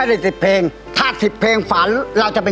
ลับมาลอยรากิชวัด